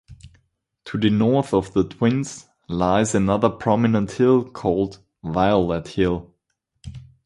To the north of the Twins lies another prominent hill called Violet Hill.